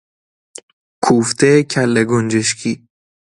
کوفته کله گنجشکی